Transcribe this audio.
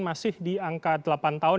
masih di angka delapan tahun